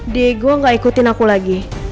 dia gue gak ikutin aku lagi